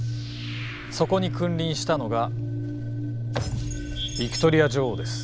そこに君臨したのがヴィクトリア女王です。